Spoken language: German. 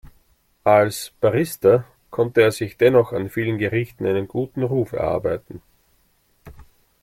Als Barrister konnte er sich dennoch an vielen Gerichten einen guten Ruf erarbeiten.